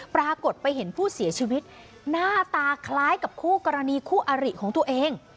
ปรากฏไปเห็นผู้เสียชีวิตหน้าตาคล้ายกับคู่กรณีคู่อาริของตัวเอง